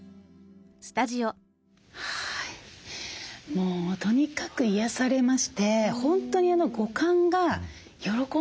もうとにかく癒やされまして本当に五感が喜んでいたという感じですね。